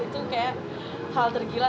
itu kayak hal tergila